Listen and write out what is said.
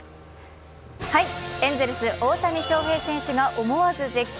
エンゼルス・大谷翔平選手が思わず絶叫。